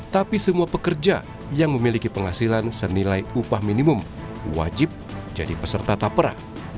tapi semua pekerja yang memiliki penghasilan senilai upah minimum wajib jadi peserta tapera